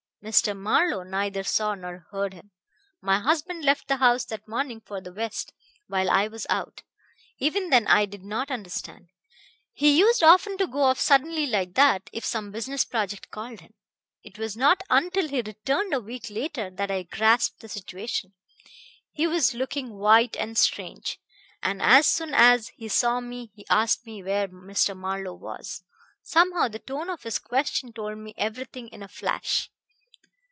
Mr. Marlowe neither saw nor heard him. My husband left the house that morning for the West while I was out. Even then I did not understand. He used often to go off suddenly like that, if some business project called him. "It was not until he returned a week later that I grasped the situation. He was looking white and strange, and as soon as he saw me he asked me where Mr. Marlowe was. Somehow the tone of his question told me everything in a flash.